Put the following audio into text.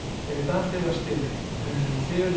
男性はしていない。